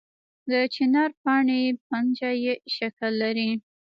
د چنار پاڼې پنجه یي شکل لري